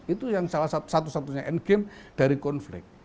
itu yang salah satu satunya endgame dari konflik